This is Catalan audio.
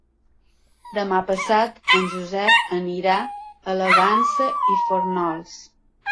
Demà passat en Josep anirà a la Vansa i Fórnols.